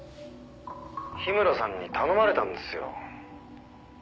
「樋村さんに頼まれたんですよ」